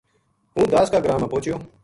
ہوں داس کا گراں ما پوہچیو